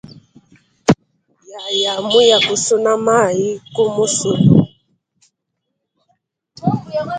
Yaya muya kusuna mayi ku musulu.